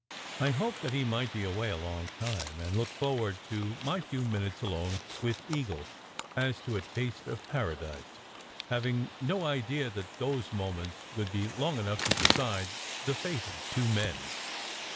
I hoped that he might be away a long time, and looked forward to my few minutes alone with Eagle as to a taste of paradise, having no idea that those moments would be long enough to decide the fate of two men.